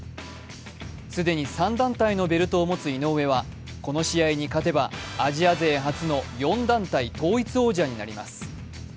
既に３団体のベルトを持つ井上はこの試合に勝てばアジア勢初の４団体統一王者になります。